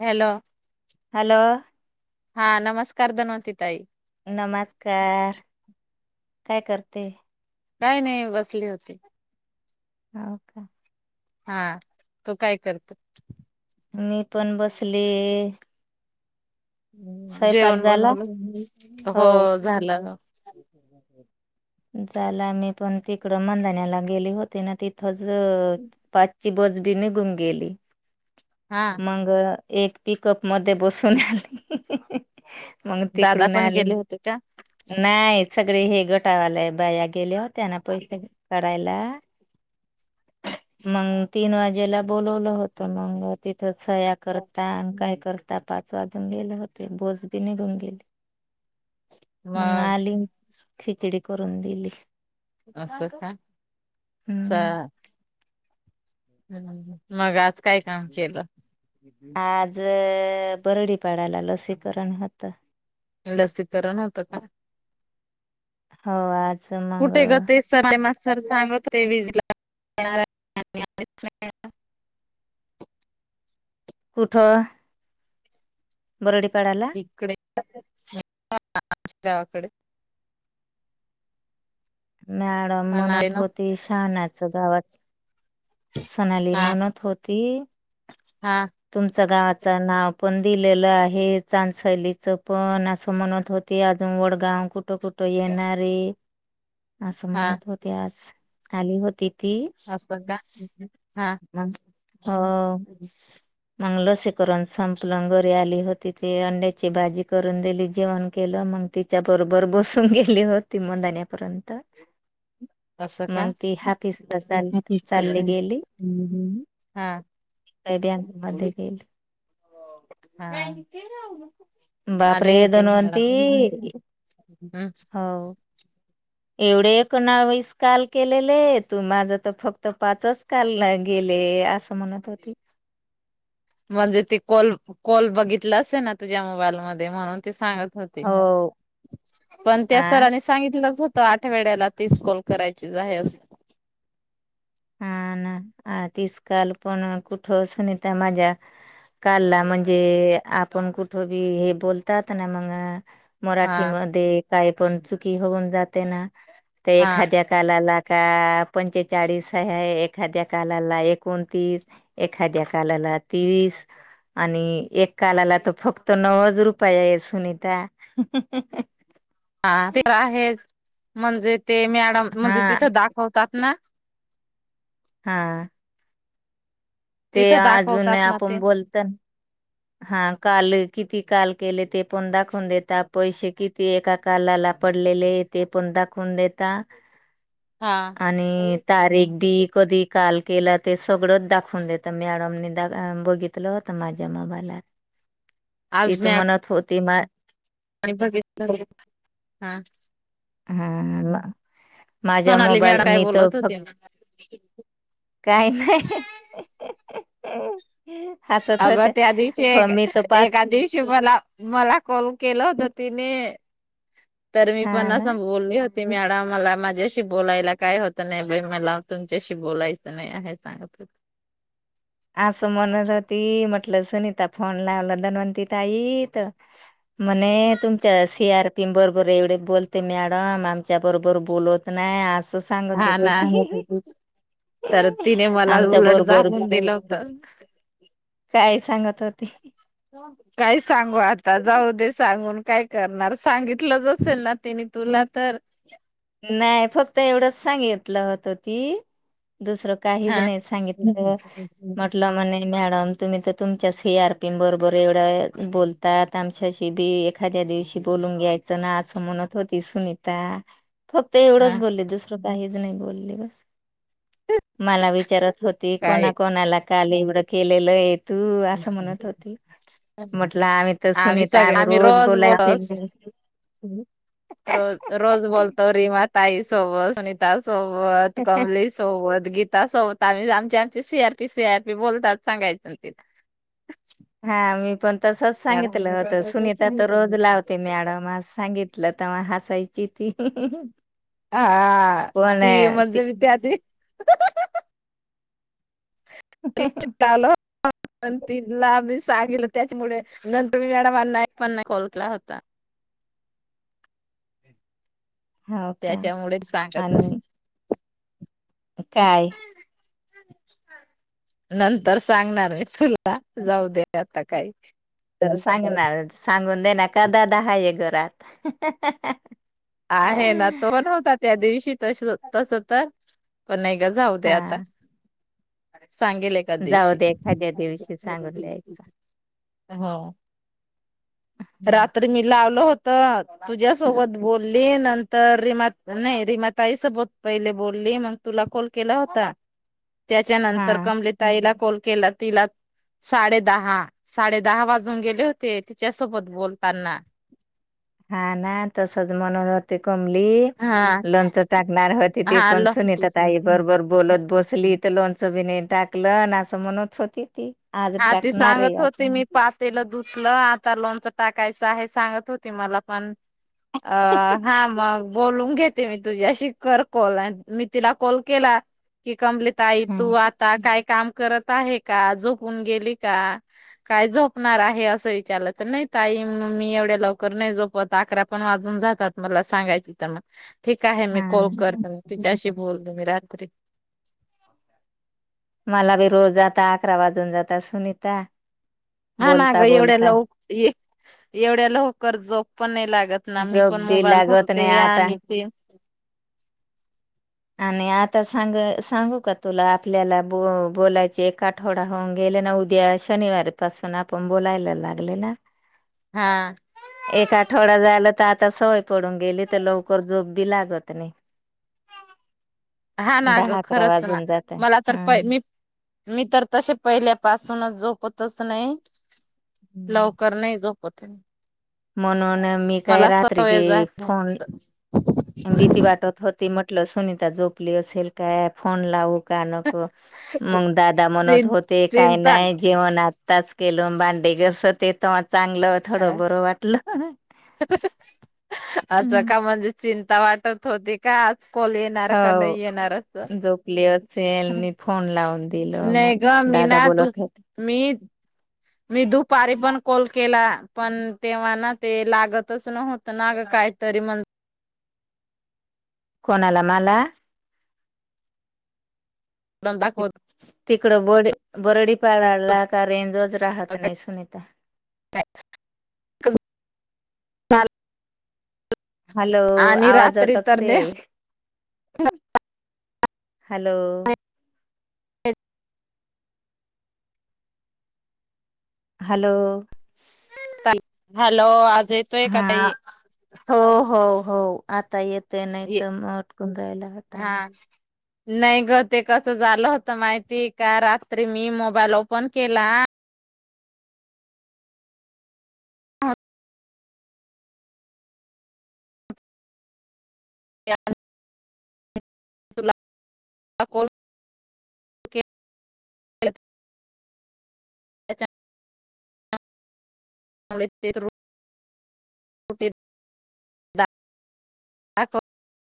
Hello. Hello हा नमस्कार धनवंती ताई. नमस्कार काय करते. काय नाही बसली होती. [unintelligible] हा तो काय करतो? मी पण बसले. स्वयंपाक जेवण झाला बनवलं? हो झालं. झाला मी पण तिकडं मंधानला गेली होती ना तिथंच पाच पाचची बसबी निघून गेली. हा मंग एक पिकअप मध्ये बसून आली. मग दादा तिकडून पण आले. गेले होते का नाही सगळे हे गटावाला बाया गेले होत्या ना पैसे कारायला. मंग तीन वाजेला बोलावलं होत. मंग सह्या करता काय करता आता पाच वाजून गेले होते बसबी निघून गेली, मग आली खिचडी करून दिली. अस का? चा हम्म हम् मग आज काय काम केलं? आज बरडीपाडाला लसीकरण होत. लसीकरण होतं का? हा आज मग कुठे ग ते स [unintelligible] सर [inaudible] वीजला [inaudible] [inaudible] कुठं? बरडी पाडाला? [unintelligible] मॅडम पण आहे म्हणत ना होती, शहाानच गावाच सोनाली हा म्हणत होती, हा तुमच्या गावात च नाव पण दिलेलं आहे. चांदसलीच पण अस म्हणत होते अजून वडगाव कुठ कुठ येणारे असं हा म्हणत होते आज, आली होती असं का? हा ह. मग लसीकरण संपलं, घरी आली होती ते अंड्याची भाजी करून दिली, जेवण केलं. मग तिच्या बरोबर बसून गेली होती मनंदाण्यापर्यंत असं का मग ती हापीसला चाल चालली गेली. हम्म हम् हा. का बँकमध्ये गेली. हा बाप रे आली होती मी मला धनवंती, हम्म हो. एवढे एकणावीस काल केलेले तू माझं तर फक्त पाचच कॉलला गेले असं म्हणत होती. म्हणजे ते कॉल कॉल बघितला असेल ना तुझ्या मोबाईल मध्ये म्हणून ते सांगत होती हो पण त्या आ सरांनी सांगितलंच होत आठवेड्याला तीस कॉल करायचीच आहे असं. हा ना तीस काल कोण कुठं सुनीता माझ्या कालला म्हणजे आपण कुठ बी हे बोलतात ना मग हा मराठीमध्ये काही पण चुकी होऊन जाते ना, ते हा एखाद्या कालाला का पंचेचाळीस हेय एखाद्या कालाला एकोणतीस, एखाद्या कालाला तीस आणि एक कालाला तर फक्त नऊज रुपय आहे सुनीता. [inaudible] हा ते तर आहे म्हणजे ते मॅडम हा म्हणजे तिथ दाखवतात ना. हा. ते तिथं अजून दाखवतात ना आपण ते बोलत हा काल किती काल केले ते पण दाखवून देता, पैसे किती एका काला ला? पडलेले, ते पण दाखवून देता. हा आणि तारीख बी कधी काल केला ते सगळंच दाखवून देत. मॅडमने द बघितलं होत माझ्या मोबाईलात ती तर म्हणत होत ते मा आणि बघित हा. [unintelligible] हा माझा सोनाली मॅडम मोबाईल काय मी तर बोलत फक्त होती ना. काही नाही हसत होत्या. ते फ मी तर पाच एका दिवशी मला मला कॉल केला होत तिने. तर मी हा पण ना असं बोलले होते. ते मॅडम मला माझ्याशी बोलायला काय होत नाही. बाई मला तुमच्याशी बोलायचं नाही आहे सांगत होत. [inaudible] असं म्हणत होती म्हटल सुनीता फोन लावला धनवंती ताई तर म्हणे तुमच्या सी आर पी बरोबर एवढे बोलते मॅडम आमच्या बरोबर बोलत नाही आस सांगत हा होती ना ती तर तिने मला आमच्या उलट बरोबर झाकून दिलं होतं. काय सांगत होती? काय सांगू आता जाऊ दे सांगून काय करणार सांगितलंच असेल ना तिनी तुला तर नाही फक्त एवढंच सांगितलं होत ती दुसरं काहीच हा. नाही सांगितलं म्हटलं मने मॅडम तुम्ही तर तुमच्याच सीआरपीं बरोबर एवढं बोलतात आमच्याशी बी एखाद्या दिवशी बोल लून घ्यायचं ना असं म्हणत होती सुनीता फक्त एवढंच हा बोलले दुसरं काहीच नाही बोलली बस. मला विचारत होती कोणा काय कोणाला काल एवढं केलेलंय. तू असं म्हणत होती म्हटलं आम्ही तर सुनीता आम्ही रोज बोलायचे. रोज रोज बोलताव रि ताई सोबत, सुनीता सोबत, कमली सोबत गी ता सोबत आम्ही आमचे आमची C R P C R P बोलताव सांगायच हा मी पण तसंच सांगितलं होत. सुनीता तर रोज लावते मॅडम सांगितलं तेव्हा हासायची जी ती हा पण ती अ, म्हणजे विद्यार्थी त चाल तन लाी [unintelligible] सागीतलं त्याच्यामुळे नंतर मी मॅडमाना एक पण नाही कॉल केला होता. हो का त्याच्यामुळेच सांगत होती. आणि काय नंतर सांगणार मी तुला जाऊ दे आता काही तर सांगणार सांगून दे ना का दादा हाय घरात आहे ना तो पण होता त्या दिवशी तस तस तर पण नाही जाऊ दे हा आता सांगेल एका जाऊ दिवशी दे एखाद्या दिवशी सांगून द्यायचं हो रात्री मी लावलो होत तुझ्यासोबत बोलली नंतर रिमा नाही रिमाताई सोबत पहिले बोलली तुला कॉल केला होता त्याच्या नंतर हा कमली ताईला काॅल केला तिला साडे दहा साडे दहा वाजून गेले होते तिच्या सोबत बोलताना हा ना तसच म्हणत होते कमली हा लोणच टाकणार होती ती हा पण ल सुनीता ताई बरोबर बोलत बसली लोणचं बी नाही टाकलं असं म्हणत होती ती आज हा ते टाकणार आहे सांगत होते असं मी पातेल धुतलं आता लोणच टाकायचं आहे सांगत होती मला पण अ हा मग बोलून घेते मी तुझ्याशी कर कॉल मी तिला कॉल केला कि कमली ताई तू हम्म आता काय काम करत आहे का झोपून गेली का. काय झोपणार आहे. असं विचारलं तर नाही ताई मी एवढ्या लवकर नाही झोपत अकरा पण वा जून जातात मला सांगायची तर मग ठीक आहे. मी हा कॉल करते तिच्याशी ना बोलते मी रात्री. मला बी रोज जात अकरा वाजून जात सुनीता हा ना ग बोलता एवढ्या बोलता लवकर एवढ्या लवकर झोप पण नाही लागत ना मी झोप पण बी मोबाईल लागत बघते नाही आता आणि ते आणि आता सांग सांगू का तुला आपल्याला ब बोलायचे एक आठवडा होऊन गेले ना उद्या शनिवार पासून आपण बोलायला लागले ना हा एक आठवडा जायला तर आता सवय पडून गेली तर लवकर झोप बी लागत नाही हा ना ग दहा अकरा खरंच ना वाजून जात मला तर हा. प मी मी तर तसे पहिल्या पाासूनच जो तच नाही हम्म. लवकर नाही झोपत म्हणून मी काय मला रात्री की सवय काई झाली फोन भीती वाटत होती म्हटल सुनीता झोपली असेल काय फोन लावू मग दादा म्हणत होते काही चिंता नाही जेवण [unintelligible] चांगलं थोडं बरं वाटलं हम् तुला वाटत होते का कॉल येणार का नाही हो येणारच झोपली असेल मी फोन लावून दिल मग. नाही ग मीना दादा तू बोलत होते मी मी दुपारी पण कॉल के पण तेव्हा ना ते लागतच नव्हत ना ग काहीतरी म्हण कोणाला मला म दाखवत तिकडं बडी बरडी काराळला का रेंजच राहत नाही सुनीता [inaudible] हॅलो आणि आवाज रात्री तर अटकते. हॅलो [unintelligible] हालो हॅलो आवाज येतोय का हा तई? हो हो हो आता येते नाही तर मग अटकून राहायला होता आवाज हा नाही ग ते कसं झालं होत माहितीय का? रात्री मी मोबाईल ओपन केला [unintelligible] [unintelligible] [unintelligible] [unintelligible] [unintelligible] [unintelligible]